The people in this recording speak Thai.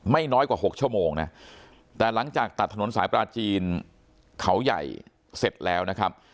น้อยกว่า๖ชั่วโมงนะแต่หลังจากตัดถนนสายปลาจีนเขาใหญ่เสร็จแล้วนะครับ